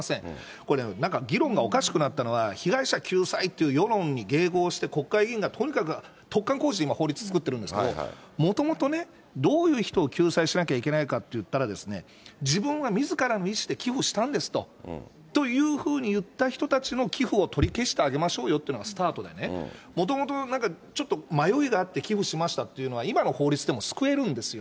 これね、なんか議論がおかしくなったのは、被害者救済っていう世論に迎合して、国会議員がとにかく突貫工事で今、法律作ってるんですけど、もともとね、どういう人を救済しなきゃいけないかっていったらですね、自分がみずからの意思で寄付したんですと、というふうにいった人たちの寄付を取り消してあげましょうよというのがスタートでね、もともとちょっと迷いがあって、寄付しましたっていうのは、今の法律でも救えるんですよ。